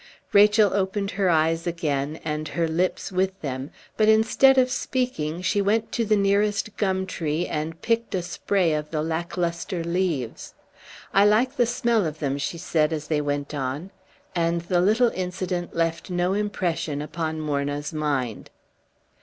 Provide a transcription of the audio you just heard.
Rachel opened her eyes again, and her lips with them; but instead of speaking she went to the nearest gum tree and picked a spray of the lacklustre leaves. "I like the smell of them," she said, as they went on; and the little incident left no impression upon Morna's mind.